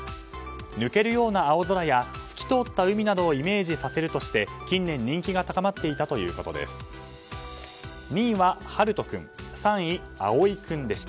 抜けるような青空や透き通った海などをイメージさせるとして近年、人気が高まっていたということです。